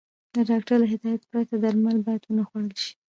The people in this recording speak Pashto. د ډاکټر له هدايت پرته درمل بايد ونخوړل شي.